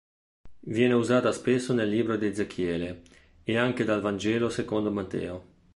Viene usata spesso nel libro di Ezechiele e anche dal Vangelo secondo Matteo.